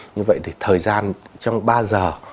như vậy thì thời gian trong ba giờ